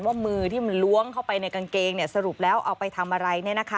มือที่มันล้วงเข้าไปในกางเกงสรุปแล้วเอาไปทำอะไร